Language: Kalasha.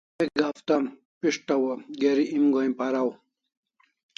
Ek hafta pis'taw o geri em goi paraw